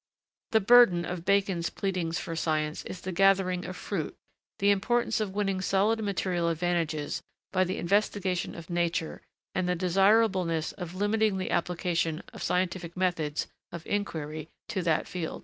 The burden of Bacon's pleadings for science is the gathering of fruit' the importance of winning solid material advantages by the investigation of Nature and the desirableness of limiting the application of scientific methods of inquiry to that field.